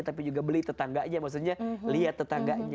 tapi juga beli tetangganya maksudnya lihat tetangganya